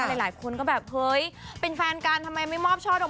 หลายคนก็แบบเฮ้ยเป็นแฟนกันทำไมไม่มอบช่อดอก